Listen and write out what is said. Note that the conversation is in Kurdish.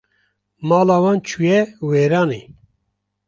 Mala wan çû ye wêranê